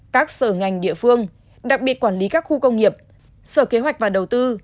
các sở ngành địa phương đặc biệt quản lý các khu công nghiệp sở kế hoạch và đầu tư